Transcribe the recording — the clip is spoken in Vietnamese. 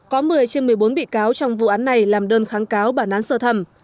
có một mươi trên một mươi bốn bị cáo trong vụ án này làm đơn kháng cáo bản án sơ thẩm